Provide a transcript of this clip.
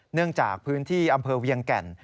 เนื่องจากพื้นที่อำเภอเวียงแก่น